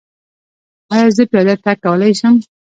ایا زه پیاده تګ کولی شم؟